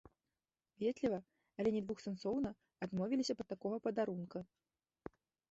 Ветліва, але недвухсэнсоўна адмовіліся б ад такога падарунка.